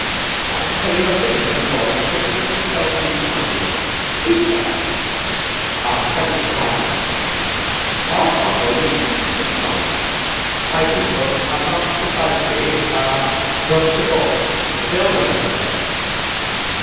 I tell you a fisherman he was and a fisherman he shall be to night again. He shall! Wish I could drown him. I'll convoy you to the Lodge. My people are not precisely ah broke to boy, but they'll know you again."